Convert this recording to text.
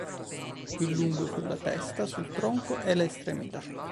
Più lungo sulla testa, sul tronco e le estremità.